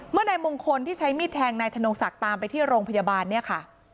นายมงคลที่ใช้มีดแทงนายธนงศักดิ์ตามไปที่โรงพยาบาลเนี่ยค่ะ